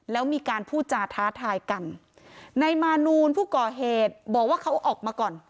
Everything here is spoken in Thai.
แล้วมีการพูดจาท้าทายกันในมานูลผู้ก่อเหตุบอกว่าเขาออกมาก่อน